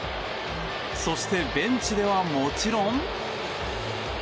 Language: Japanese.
そして、ベンチではもちろん。